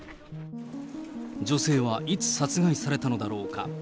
女性はいつ殺害されたのだろうか。